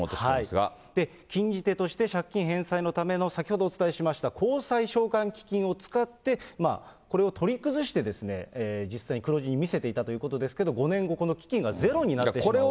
禁じ手として、借金返済のための先ほどお伝えしました公債償還基金を使ってこれを取り崩して、実際に黒字に見せていたということですけど、５年後、この基金がゼロになってしまうおそれが。